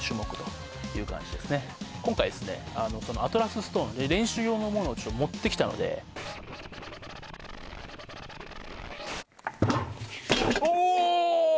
そのアトラス・ストーン練習用のものを持ってきたのでおお！